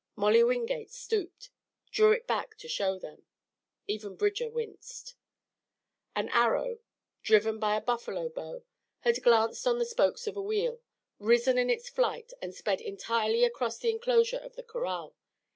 Molly Wingate stooped, drew it back to show them. Even Bridger winced. An arrow, driven by a buffalo bow, had glanced on the spokes of a wheel, risen in its flight and sped entirely across the inclosure of the corral.